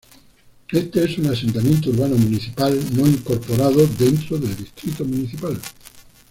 Este es un asentamiento urbano municipal no incorporado dentro del distrito municipal.